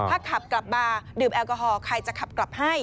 ถ้าขับกลับมาดื่มแอลกอฮอลใครจะขับกลับให้